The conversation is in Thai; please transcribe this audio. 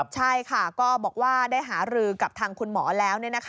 ใช่ค่ะก็บอกว่าได้หารือกับทางคุณหมอแล้ว